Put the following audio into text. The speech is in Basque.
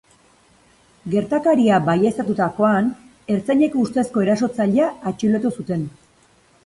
Gertakaria baieztatutakoan, ertzainek ustezko erasotzailea atxilotu zuten.